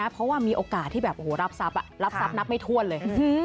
เพราะมีโอกาสที่แบบรับทรัพย์นับไม่ถ้วนเลย